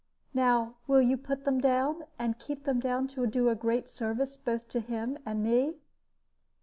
Now will you put them down and keep them down, to do a great service both to him and me?"